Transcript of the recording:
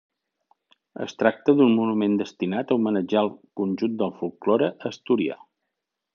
Es tracta d'un monument destinat a homenatjar al conjunt del folklore asturià.